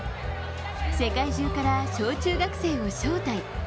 世界中から小中学生を招待。